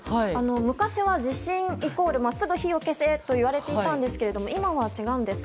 昔は地震イコールすぐ火を消せと言われていたんですけれども今は違うんです。